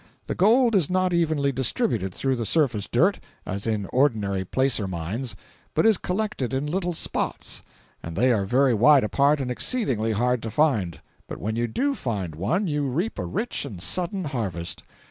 The gold is not evenly distributed through the surface dirt, as in ordinary placer mines, but is collected in little spots, and they are very wide apart and exceedingly hard to find, but when you do find one you reap a rich and sudden harvest.